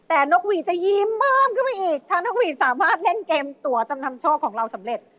แต่นกหวีดจะยิ้มเพิ่มขึ้นไปอีกทางนกหวีดสามารถเล่นเกมตัวจำนำโชคของเราสำเร็จ